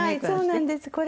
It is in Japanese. そうなんです。